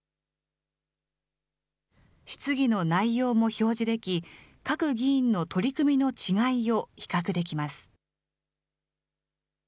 質疑の内容も表示でき、各議員の取り組みの違いを比較できます。